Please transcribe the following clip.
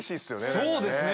そうですね